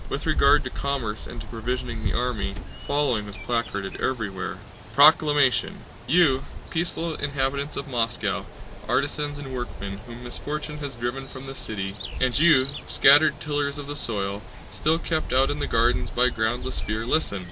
With regard to commerce and to provisioning the army, the following was placarded everywhere: PROCLAMATION You, peaceful inhabitants of Moscow, artisans and workmen whom misfortune has driven from the city, and you scattered tillers of the soil, still kept out in the fields by groundless fear, listen!